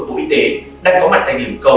của y tế đang có mặt tại điểm cầu